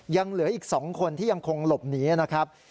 ยังเหลืออีก๒คนที่ยังคงหลบหนีนะครับ